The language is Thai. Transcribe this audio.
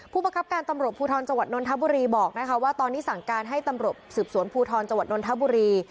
ผู้ประกับการตำรวจภูทรจนนทธบุรีบอกว่าตอนนี้สั่งการให้ตำรวจศิริสวนภูทรจนนทธบุรี